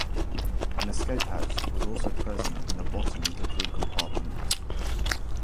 An escape hatch was also present in the bottom of the crew compartment.